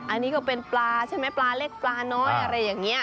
อันนี้ก็เป็นปลาใช่ไหมปลาเล็กปลาน้อยอะไรอย่างนี้